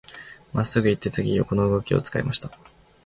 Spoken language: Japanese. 真っすぐ行って、次、横の動きを使いました。